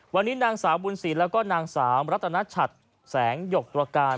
วันนี้นางสาวบุญศรีแล้วก็นางสาวรัตนชัดแสงหยกตรการ